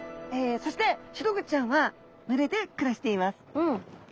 そしてシログチちゃんは群れで暮らしています。